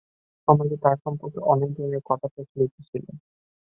সমাজে তার সম্পর্কে অনেক ধরনের কথা প্রচলিত ছিল।